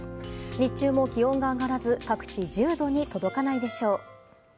日中も気温が上がらず各地１０度に届かないでしょう。